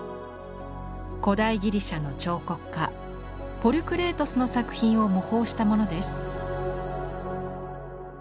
古代ギリシャの彫刻家ポリュクレイトスの作品を模倣したものです。